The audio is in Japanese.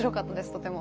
とても。